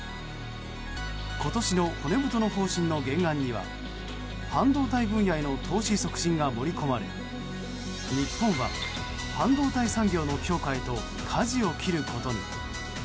今年の骨太の方針の原案には半導体分野への投資促進が盛り込まれ日本は半導体産業の強化へとかじを切ることに。